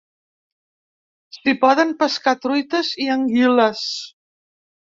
S'hi poden pescar truites i anguiles.